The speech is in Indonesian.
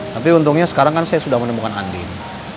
tapi untungnya sekarang kan saya sudah menemukan andin